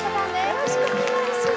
よろしくお願いします。